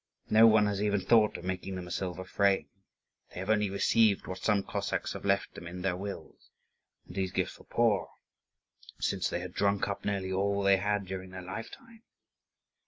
No one has even thought of making them a silver frame; they have only received what some Cossacks have left them in their wills; and these gifts were poor, since they had drunk up nearly all they had during their lifetime.